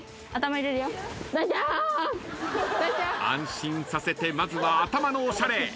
安心させてまずは頭のおしゃれ。